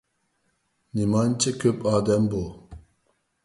نېمانچە كۆپ ئادەم بۇ.